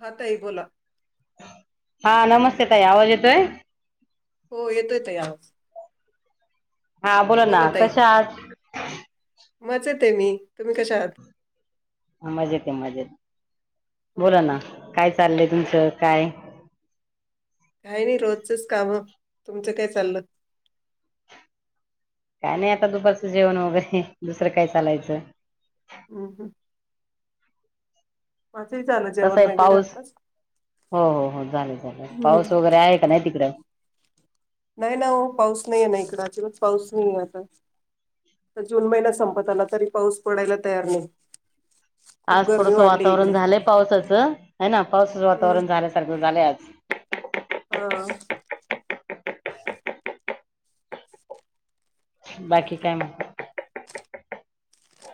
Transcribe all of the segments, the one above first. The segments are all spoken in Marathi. हा ताई बोला. हा नमस्ते ताई, आवाज येतोय? हो, येतोय ताई आवाज. हा बोला ना, कशा आहात? मजेत आहे मी, तुम्ही कशा आहात? मजेत आहे मजेत, बोला ना हं. काय चाललंय तुमचं काय? काय नाही रोजचच कामं, तुमचं काय चाललं? काय नाही आता दुपारचं जेवण वगैरे, दुसरं काय चालायचं. हम्म हम्म. कसं जेवण आहे वगैरे पाऊस? आत्ताच. हो हो हो झाले झाले, हं. पाऊस वगैरे आहे का नाही तिकडं? नाही ना ओ पाऊस नाहीयेना इकडं, अजून पाऊस नाहीये अजून. जून महिना संपत आला, तरी पाऊस पडायला तयार नाही. खूप आज गरमी थोडसं वाढली इकडं. वातावरण झालंय पावसाचं. हाय ना, पावसाचं हं. वातावरण झाल्यासारखं झालंय आज. हा. बाकी काय म?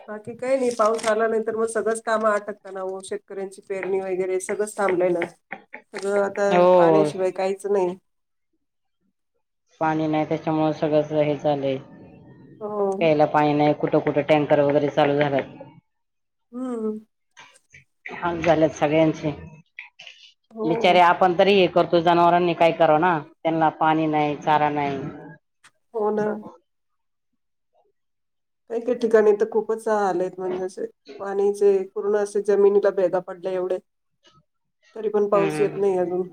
बाकी काही नाही. पाऊस आला नाहींतर, मग सगळंच काम अटकतं ना, व शेतकऱ्यांची पेरणी वगैरे सगळं थांबलेलं, सगळं आता हो पाण्याशिवाय काहीच नाही पाणी नाही त्याच्यामुळे सगळं सगळं हे झालंय, हो. प्यायला पाणी नाही कुठं कुठं टँकर वगैरे चालू झाल्यात. हम्म. हँग झालेत सगळ्यांचे. हो, बिचारे आपण तरी एक करतो जनावरांनी काय करावं ना. त्यांना पाणी नाही, चारा नाही. हो ना. काही काही ठिकाणी तर खूपच आलेत, म्हणजेे असे पाणीचे पूर्ण असे जमिनीला भेगा पडल्या, एवढे तरी पण पाऊस येत हम्म. नाही अजून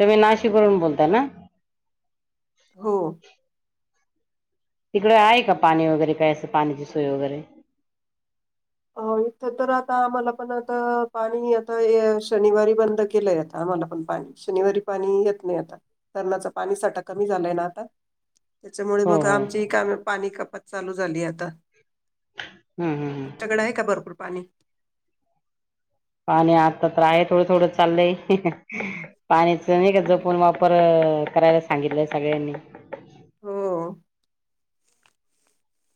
तुम्ही नाशिक वरून बोलताय ना? हो. तिकडे आहे का पाणी वगैरे काय असं, पाण्याची सोय वगैरे? अ इथं तर आता आम्हाला पण आता पाणी येतोय, शनिवारी बंद केलंय आता. मलापण पाणी शनिवारी पाणी येत नाही आता. धरणाचा पाणीसाठा कमी झालाय ना आता. त्याच्यामुळे हो मग हो आमची ही कामी पाणी कपात चालू झाली आता. हम्म हम्म हम्म. तुमच्याकडे आहे का भरपूर पाणी? पाणी आता तर आहे, थोडं थोडं चाललंय. पाणीचं नाही का हम्म. जपून वापर करायला सांगितलंय सगळ्यांनी. हो.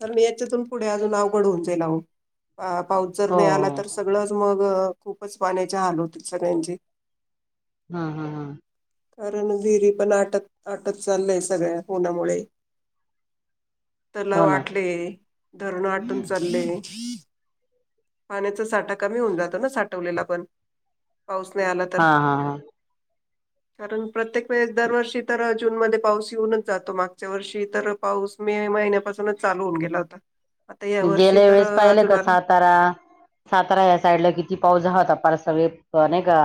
तर म याच्यातून पुढे अजून अवघड होऊन जाईल अहो. पा पाऊस जर हो नाही आला, हो तर सगळंच मग खूपच पाण्याचे हाल होतील सगळ्यांचे हा हम हम कारण विहिरी पण आटत आटत चाललय सगळ्या फोनामुळे तला हो ना आटले धरण आटून चाले पाण्याचा साठा कमी होऊन जातो ना साठवलेला पण पाऊस नाही आला तर हा हा हा कारण प्रत्येक वेळेस दरवर्षी तर जून मध्ये पाऊस येऊनच जातो मागच्या वर्षी तर पाऊस मे मे महिन्यापासूनच चालू होऊन गेला होता आता या वर्षी गेल्या तर वेळेस पाहिले अजून का आला सातारा सातारा या साईडला किती पाऊस आहात आप आपार सगळ नाही का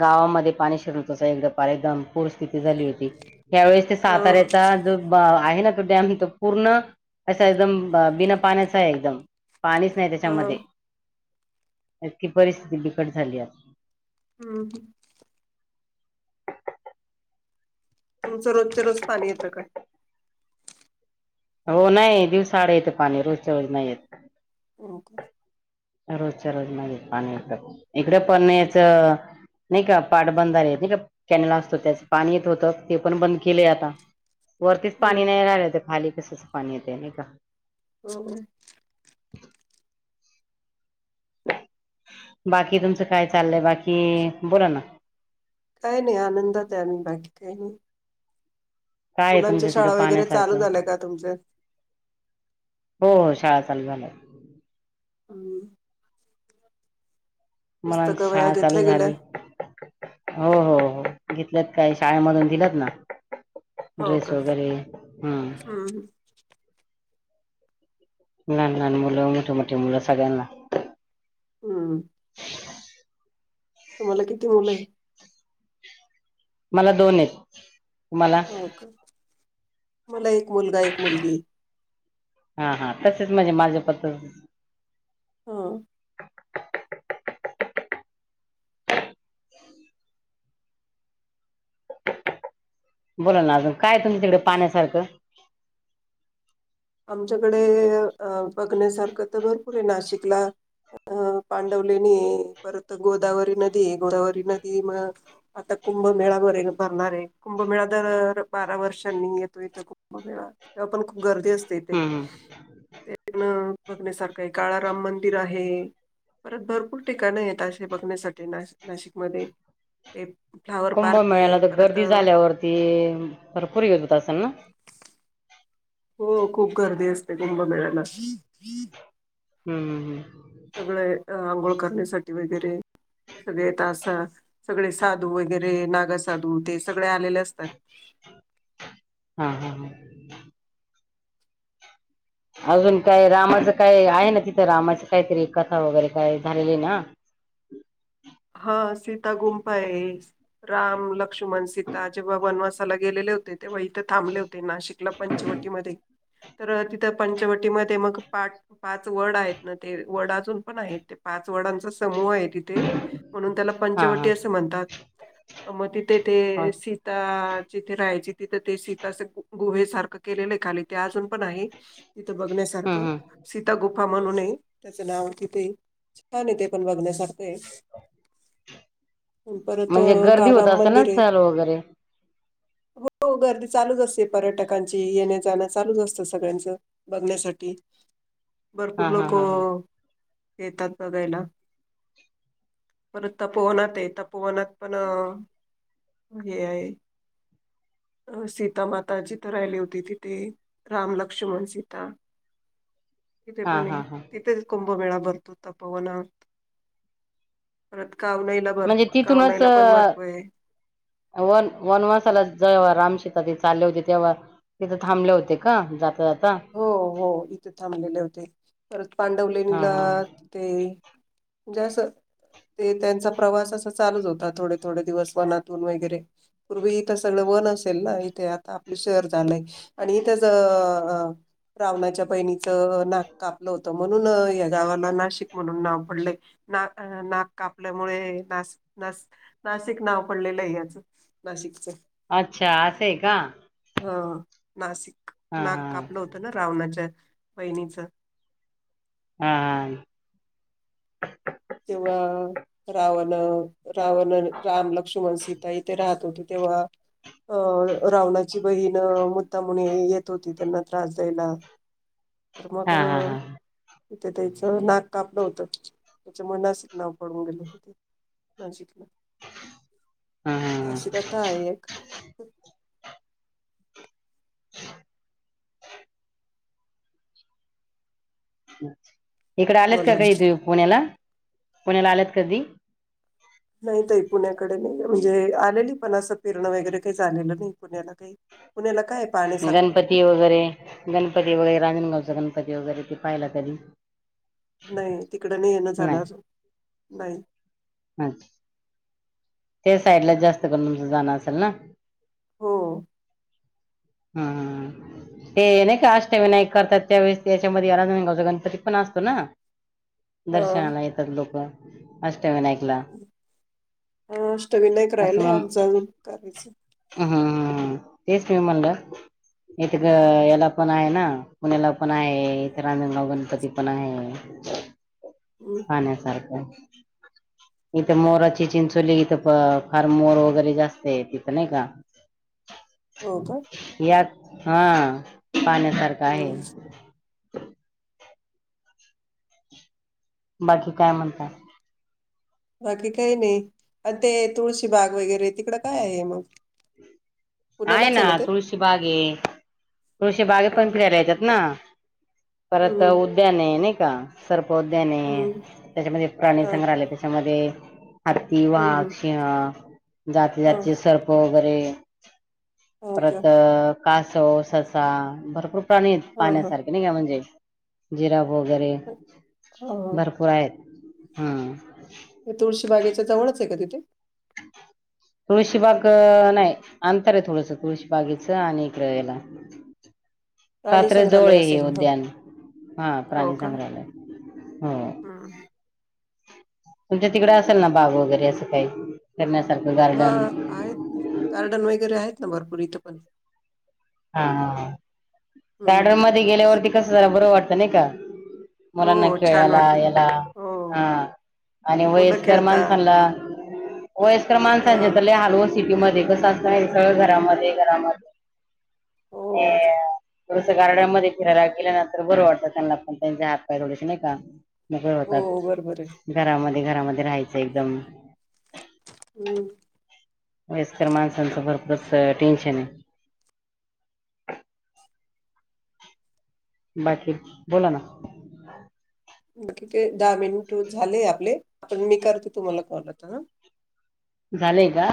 गावामध्ये पाणी शिरत एकदा पार एकदम पूर स्थिती झाली होती त्यावेेळेस ते हा साताऱ्याचा जो आहे ना तो डॅम तो पूर्ण अा एकदम बिना पाण्याच आहे एकदम पाणीच नाही त्याच्यामध्ये हा. इतकी परिस्थिती बिकट झाली आहे हम्म ह तुमचं रोज ते रोज पाणी येतं का हो नाही दिवसाड येते पाणी रोजच्या रोज नाही येत ओके रोजच्या रोज मागे पाणी इकडे पण्याच नाही का पाठ बंदले नाही का कॅनल असतो त्याचं पाणी येत होत ते पण बंद केलंय आता वरतीच पाणी हम्म. नाही राहिलं ते खाली कसंच पाणी येते नाही का हो बाकी तुमचं काय चाललंय बाकी बोला ना काही नाही आनंद त्याम बाकी काही नाही काय तुमच मुलांच्या तिकड शाळा वगैरे चालू पाण्यासारखं झाल्या का तुमच्या? हो हो शाळा चाल झालं अम् मुलांची वह्या शाळा चालू घेतल्या गेल्या? झाली हो हो हो घेतलेत काय शाळेमधून दिलेत ना हो ड्रेस का? वगैरे हम हम्म ल लान मुलं मोठे मोठे मुलं सगळ्यांना हम्म तर मला किती मुलं आहे मला दोन आहेत तुम्हाला हो का मला एक मुलगा एक मुलगी आहे हा हा तसेच म्हणजे माझं पत हा बोला ना अजून काय तुम तिकडे पाण्यासारखं आमच्याकडे अ बघण्यासारखं तर भरपूर आहे नाशिकला अ पांडवलेनी परत गोदावरी नदी गोदावरी नदी म अटक कुंभमेळा वर भरणार आहे कुंभमेळा दर बारा वर्षांनी येतो इथ कुंभमेळा ते्हा पण खूप गर्दी असते तेे हम्म हम्म तेन बघण्यासारखं आहे काळाराम मंदिर आहे परत भरपूर ठिकाणं आहेतशे बघण्यासाठी नाशिकमध्ये ते फ्लावर पार्क कुंभमेळाला आहे तर परत गर्दी अ, झाल्यावरती भरपूर येत होत असेल ना हो खूप गर्दी असते कुंभमेळाला हम्म हम् हम् सगळे आंघोळ करण्यासाठी वगैरे सगळे त असा सगळे साधू वगैरे नागसाधू ते सगळे आलेले असतात हम् हम हम अजून काय रामाचं काय आहे ना तिथं रामाची काहीतरी कथा वगैरे काय झालेली ना हम् हा सीता गुंफ आहे राम लक्ष्मण सीता जेव्हा वनवासाला गेलेले होते ते वळीथ थांबले होते नाशिकला पंचवटीमध्येध्ये ह तर तिथं पंचवटीमध्ये मग पाठ पाच वड आहेत ना ते वड अजून पण आहेत ते पाच वड सम तथे म्हणून त्याला हा हा पंचवटी अस म्हणतात ह ते सीता जिथे रायचीित तिथं ते सीताच गुहे सारखं केलेलं खाली ते अजून पण आहे तिथं हम्म बघण्यासारखं हम्म सीता गुफा म्हणूनय नाव किती न ते पण बघण्यासारख म्हणजे अ, गर्दी होत काळराम असं ना मंदिर आहे. ल वगैरे [unintelligible] हो गर्दी चालूच असते पर्यटकांची येण्या जाणं चालूच असतं सगळ्यांचं बघण्यासाठी हा भरपूर हा लोक.. हा हा येतात बघायला पर तपोवनात आहे तपोवनात पण हे आहे अ सीतामाता जीथ राहिली होती तिथे राम लक्ष्मण सीता [unintelligible] तिथे हा पण हा हा तिथेच कुंभमेळा भरतो त पवनात परत कावनाईला भर म्हणजे तिथूनच कावनाईला पण महत्त्व आहे वन वनवसाला ज रामश चाल होते ते्हा तिथ थांबले होते का जातात हो हो इथे थांबलेले होते परत हा पांडवलेणीला हा ते जसं ते त्यांचा प्रवास अस चालू होता थोडे थोडे दिवस मनातून वगैरे पूर्वी इथ सगळ पण असेल ना इथे आता आपलं शहर झालंय आणि इथच रावणाच्या पहिणीचं नाक कापलं होत म्हणून या गावाला नाशिक म्हणून नाव पडले ना नाक कापल्यामुळे नाशिक ना नाशिक नाव पडलेलं आहे याचं नाशिकच अच्छा असंय का हा नासिक हा हा रावणाच्या बहिणीच हा तेव्हा रावण रावण राम लक्ष्मण सीता इथे राहत होते तेव्हा अ रावणाची बहीण मुद्दाम येत होती त्यांना त्रास द्यायला हा मग हा हा हा तिथे त्याचं नाक कापलं होतं त्याच्या मुळ नाशिक नाव पडून गेले हा हा अशी कथा आहे एक इकडे आलेत का बोला कधी ना. तु पुण्याला पुण्याला आलेत कधी नाहीत पुण्याकडे नाही म्हणजे आलेली पण असं फिरणं वगैरे काही झालेलं नाही पुण्याला काही पुन्याला गणपती वगैरे गणपती वगैरे राजणगाव गगणपती वगैरे ते पाहिला तधी नाही तिकड नाही येणं झालं नाही त्या साईड ला जास्त करून.. जान असेल ना हो हम्म हम् ते नाही का अष्टविनायक करतात त्यावेळेस त्याच्यामध्ये राजगावचा गणपती पण असतो ना हा दर्शनाला येतात लोकं अष्टविनायकला अ अष्टविनायक असं राहिलाय मग आमचा अजून करायच ह तेच मी म्हणलं इथे ग याला पण आहे ना पुण्याला पण आहे इथे राजणगाव गणपती पण आहे. हम्म, पाहण्यासारख इथं मोराची चिंचोली इथं फार मोर वगैरे जास्त तिथं नाही का? हो काय? यात हा पाहण्यासारख आहे हम्म बाकी काय म्हणतात? बाकी काही नाही, आ ते तुळशीबाग वगैरे तिकडं काय आहे मग आहेय पुण्यालाच आहे ना ते? तुळशी बाग ये तुळशी बागेत पण हां. फिरायला याेतात ना परत हं, उद्याने नाही का सर उद्याने हं. त्याच्यामध्ये प्राणी हां का? संग्रहालय त्याच्यामध्ये हत्ती हं, वाघ, हं. सिंह, जाती हां. जातीचे सर्प वगैरे हो का? परत कासव ससा भरपूर प्राणी हां, हां. पहाण्यासारखे नाही का म्हणजे जिराफ वगैरे हां, हां. भरपूर आहेत हा हे तुळशी बागेच्या जवळच आहे का तिथे? तुळशीबाग नाही अंतर आहे थोडस तुळशी बागेच आणि इकडे यायला प्राणी कात्रज जवळ संग्रहालय आहे हे असेल. हं. उद्यान हा प्राणी संंग्रहालय - हम् तुमच्या तिकडे असेल ना बाग वगैरे असं काही करण्यासारखं हा आहेत गार्डन वगैरे आहेत ना भरपूर इथं पण हा हा हा हं. गार्डन मध्ये गेल्यावरती कसं जरा बरं वाटतं नाही का? मुलांना हो, छान खेळाला वाटतं. याला हो. हा आणि मुलं वयस्कर खेळता. माणसांला वयस्कर माणसांचे हां. तर लय हाल हो सिटीमध्ये सगळं घरामध्ये घरामध्ये आणि हो, थोडसं गार्डन मध्ये फिरांयला गेल्यानंतर बरं वाटतं त्यांना पण त्यांचे हात पाय थोडेसे नाही का मोकळे होतात. हो. बरोबर आहे. घरामध्ये घरामध्ये राहायचं एकदम हम्म वयस्कर [unintelligible] टेन्शन बाकी बोला ना कि ते दहा मिनिट झाले आपले आता मी करते तुम्हाला कॉल आता ह झालंय का?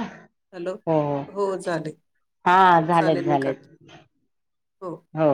हो हो हा हो झालेच चालेल मी झाले. करते हो